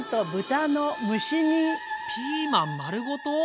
ピーマン丸ごと